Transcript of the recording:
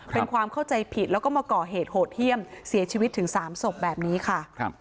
เป็นความเข้าใจผิดแล้วก็มาก่อเหตุโหดเยี่ยมเสียชีวิตถึง๓ศพแบบนี้ค่ะ